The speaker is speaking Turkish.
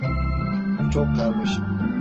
Bu çok karmaşık.